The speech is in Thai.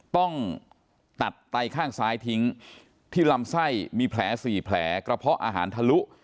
ต้องตัดไตข้างซ้ายทิ้งที่ลำไส้มีแผล๔แผลกระเพาะอาหารทะลุ